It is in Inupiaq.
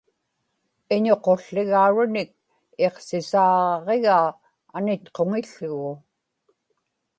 iñuqułłigauranik iqsisaaġaġigaa anitquŋił̣ł̣ugu